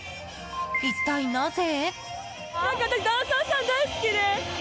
一体なぜ？